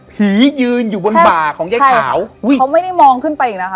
ยืนอยู่บนบ่าของยายขาวอุ้ยเขาไม่ได้มองขึ้นไปอีกนะคะ